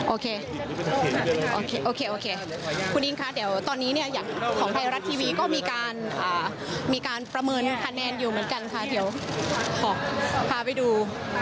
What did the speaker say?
โอเคโอเคคุณอิงคะเดี๋ยวตอนนี้เนี่ยอย่างของไทยรัฐทีวีก็มีการประเมินคะแนนอยู่เหมือนกันค่ะเดี๋ยวขอพาไปดู